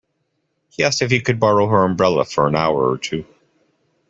He asked if he could borrow her umbrella for an hour or two